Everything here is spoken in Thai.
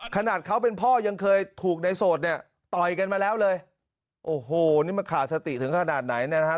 ขนาดเขาเป็นพ่อยังเคยถูกในโสดเนี่ยต่อยกันมาแล้วเลยโอ้โหนี่มันขาดสติถึงขนาดไหนเนี่ยนะฮะ